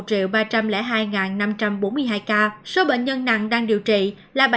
về tình hình điều trị bệnh nhân covid một mươi chín số bệnh nhân nặng đang điều trị là bảy ca